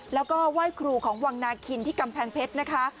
แล้วก็ไหว้ครูของวังนาคินที่กำแพงเพชรนะคะ